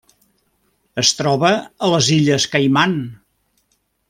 Es troba a les Illes Caiman.